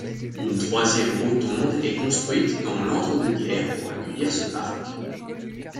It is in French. Une troisième rotonde est construite dans l'entre-deux-guerres pour accueillir ce parc.